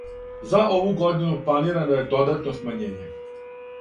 За ову годину планирано је додатно смањење.